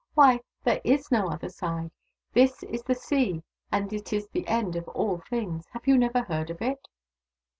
" Why, there is no other side. This is the vSea, and it is the end of all things. Have you never heard of it